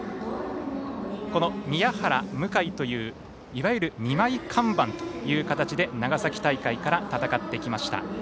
この宮原、向井といういわゆる２枚看板という形で長崎大会から戦ってきました。